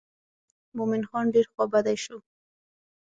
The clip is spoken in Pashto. مومن خان ډېر خوا بډی شو.